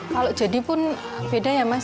kalau jadi pun beda ya mas